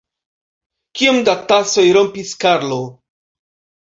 Kiom da tasoj rompis Karlo?